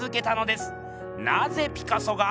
なぜピカソが。